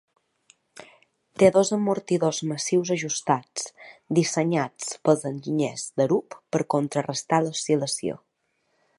Té dos amortidors massius ajustats, dissenyats pels enginyers d'Arup per contrarestar l'oscil·lació.